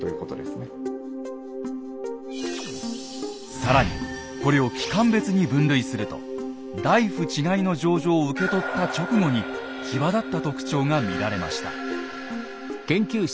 更にこれを期間別に分類すると「内府ちかひの条々」を受け取った直後に際立った特徴が見られました。